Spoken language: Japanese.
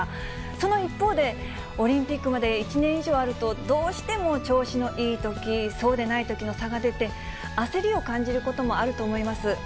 その一方で、オリンピックまで１年以上あると、どうしても調子のいいとき、そうでないときの差が出て、焦りを感じることもあると思います。